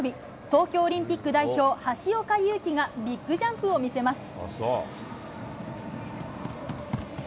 東京オリンピック代表、橋岡優輝がビッグジャンプを見せます。